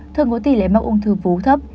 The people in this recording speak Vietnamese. thường có tỷ lệ mắc ung thư vú thấp